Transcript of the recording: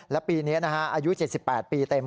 แล้วปีนี้นะฮะอายุ๗๘ปีเต็ม